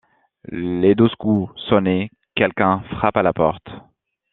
Les douze coups sonnés, quelqu'un frappe à la porte.